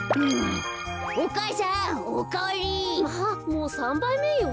もう３ばいめよ。